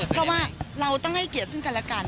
ก็ว่าเราต้องให้เกียรติกันแล้วกัน